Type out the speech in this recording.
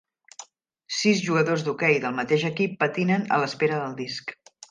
Sis jugadors d'hoquei del mateix equip patinen a l'espera del disc.